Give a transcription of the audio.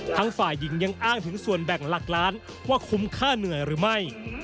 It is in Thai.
ฝ่ายหญิงยังอ้างถึงส่วนแบ่งหลักล้านว่าคุ้มค่าเหนื่อยหรือไม่